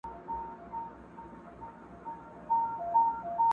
حقيقت پوښتنه کوي له انسانه